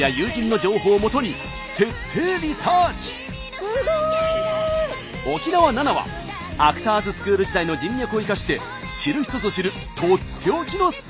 すごい！沖縄ＮＡＮＡはアクターズスクール時代の人脈を生かして知る人ぞ知るとっておきのスポットへ！